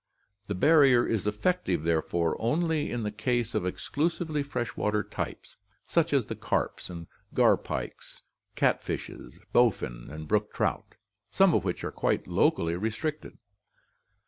The barrier is effective, therefore, only in the case of exclusively fresh water types, such as the carps, garpikes, catfishes, bowfin, and brook trout, some of which are quite locally restricted.